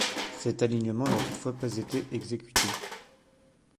Cet alignement n'a toutefois pas été exécuté.